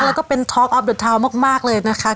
แล้วก็เป็นท็อกออฟเดอร์ทาวน์มากเลยนะคะ